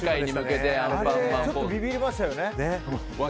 ちょっとビビりましたよね。